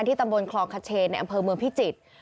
ตำบลคลองคเชนในอำเภอเมืองพิจิตร